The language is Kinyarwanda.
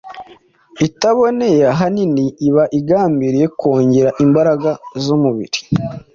itaboneye ahanini iba igambiriye kongera imbaraga z’umubiri